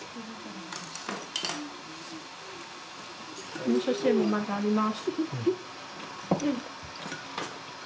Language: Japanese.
おみそ汁まだあります。